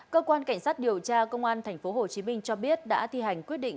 cơ quan cảnh sát điều tra công an tp hcm cho biết đã thi hành quyết định